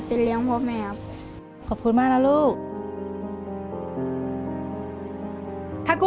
เปลี่ยนเพลงเพลงเก่งของคุณและข้ามผิดได้๑คำ